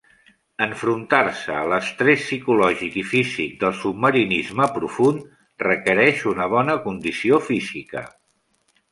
Enfrontar-se a l'estrès psicològic i físic del submarinisme profund requereix una bona condició física.